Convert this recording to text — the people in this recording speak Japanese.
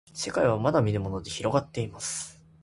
せかいはまだみぬものでひろがっています